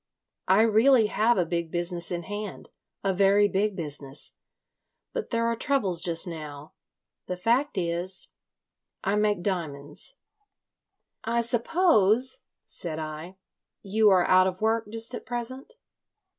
I really have a big business in hand, a very big business. But there are troubles just now. The fact is .... I make diamonds." "I suppose," said I, "you are out of work just at present?"